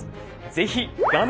是非画面